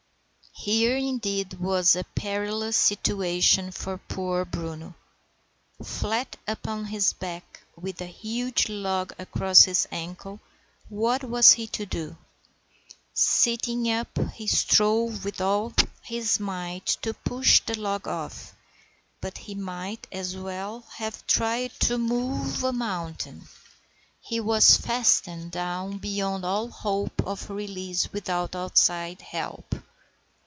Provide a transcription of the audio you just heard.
Here, indeed, was a perilous situation for poor Bruno. Flat upon his back, with a huge log across his ankle, what was he to do? Sitting up he strove with all his might to push the log off, but he might as well have tried to move a mountain. He was fastened down beyond all hope of release without outside help.